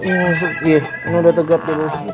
iya udah tegap